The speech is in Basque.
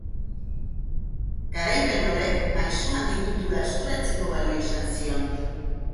Garaipen horrek Maisu Handi titulua eskuratzeko balio izan zion.